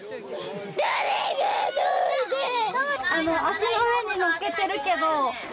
足の上にのっけているけど。